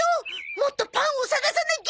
もっと「パン」を探さなきゃ！